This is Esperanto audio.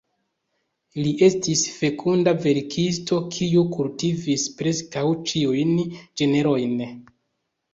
Li estis fekunda verkisto, kiu kultivis preskaŭ ĉiujn ĝenrojn.